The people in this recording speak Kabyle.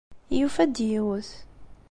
Yufa-d yiwet.